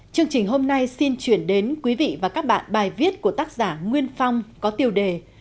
chương trình hôm nay xin chuyển đến quý vị và các bạn bài viết của tác giả nguyên phong có tiêu đề